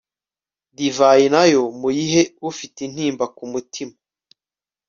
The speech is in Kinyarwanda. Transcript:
divayi na yo muyihe ufite intimba ku mutima